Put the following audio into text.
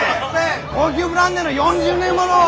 高級ブランデーの４０年もの！